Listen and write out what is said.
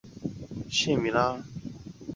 往往看上去完全健康的人极偶尔会患这种病。